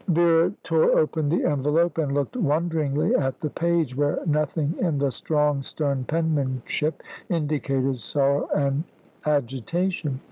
Vera tore open the envelope, and looked wonderingly at the page, where nothing in the strong, stern penmanship indicated sorrow and agitation.